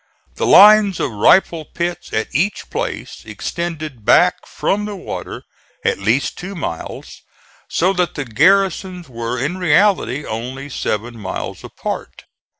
The lines of rifle pits at each place extended back from the water at least two miles, so that the garrisons were in reality only seven miles apart.